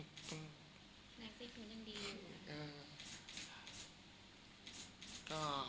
นักศึกษ์คุณยังดีหรือ